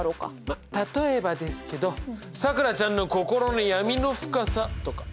まあ例えばですけどさくらちゃんの心の闇の深さとか。